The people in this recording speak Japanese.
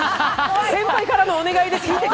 先輩からのお願いです。